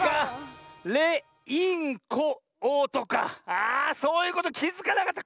あそういうこときづかなかった。